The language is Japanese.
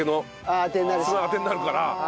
あてになるから。